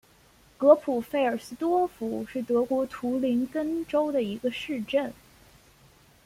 格普费尔斯多夫是德国图林根州的一个市镇。